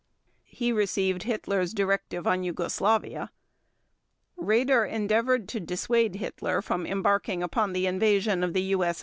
He received Hitler's directive on Yugoslavia. Raeder endeavored to dissuade Hitler from embarking upon the invasion of the U.